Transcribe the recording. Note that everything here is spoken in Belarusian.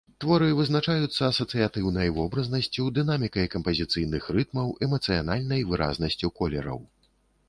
Творы вызначаюцца асацыятыўнай вобразнасцю, дынамікай кампазіцыйных рытмаў, эмацыянальнай выразнасцю колераў.